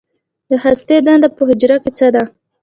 د هستې دنده په حجره کې څه ده